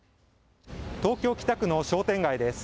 東京北区の商店街です。